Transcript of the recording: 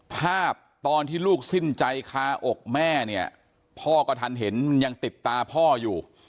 ภาพตอนที่ลูกสิ้นใจคาอกแม่เนี่ยพ่อก็ทันเห็นยังติดตาพ่ออยู่